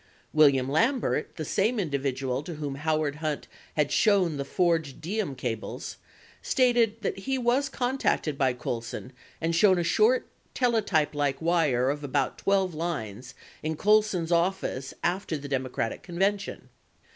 29 William Lambert, the same individual to whom Howard Hunt had shown the forged Diem cables, stated that he was contacted by Colson and shown a short teletypelike wire of about 12 lines in Colson's office after the Demo cratic convention.